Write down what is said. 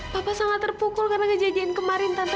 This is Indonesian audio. papa sangat terpukul karena ngejajahin kemarin tante